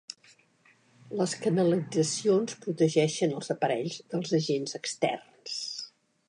Les canalitzacions protegeixen els aparells dels agents externs.